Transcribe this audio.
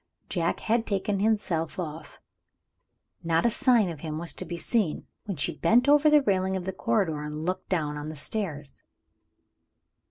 Jack had taken himself off. Not a sign of him was to be seen, when she bent over the railing of the corridor, and looked down on the stairs.